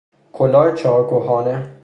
کلاه چهار کوهانه